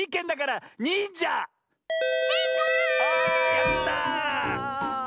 やった！